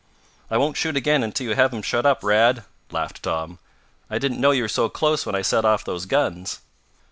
"I won't shoot again until you have him shut up, Rad!" laughed Tom. "I didn't know you were so close when I set off those guns."